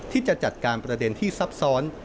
ที่จะจัดการประเด็นที่ซับซ้อน